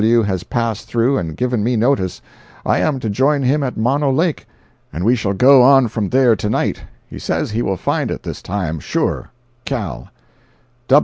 W. has passed through and given me notice. I am to join him at Mono Lake, and we shall go on from there to night. He says he will find it this time, sure. CAL."